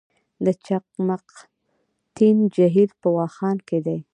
د چقمقتین جهیل په واخان کې دی